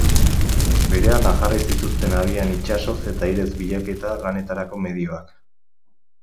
Berehala jarri zituzten abian itsasoz eta airez bilaketa lanetarako medioak.